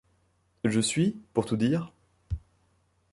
Je suis, pour tout dire